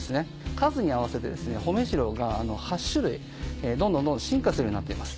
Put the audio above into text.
数に合わせてほめジローが８種類どんどんどんどん進化するようになっています。